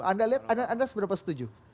anda lihat anda seberapa setuju